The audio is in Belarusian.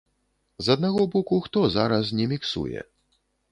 З аднаго боку, хто зараз не міксуе?